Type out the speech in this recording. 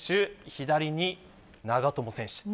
左に長友選手。